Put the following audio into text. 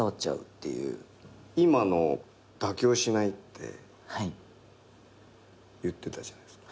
今の「妥協しない」って言ってたじゃないですか。